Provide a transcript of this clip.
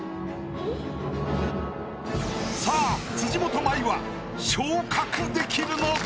さあ辻元舞は昇格できるのか？